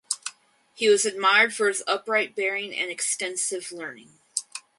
He was admired for his "upright bearing and extensive learning".